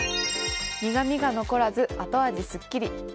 苦みが残らず、後味すっきり。